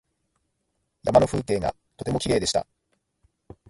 山の風景がとてもきれいでした。